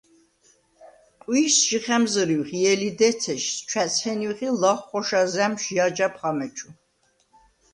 ყვიჟს ჟი ხა̈მზჷრივხ ჲელი დეცეშს, ჩვა̈ზჰენივხ ი ლაღვ ხოშა ზა̈მშვ ჟი აჯაბხ ამეჩუ.